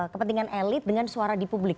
kepentingan elit dengan suara di publik